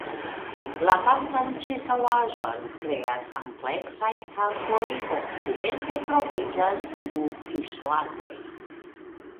La vastan ĉirkaŭaĵon kreas ampleksaj kampoj; okcidente troviĝas du fiŝlagoj.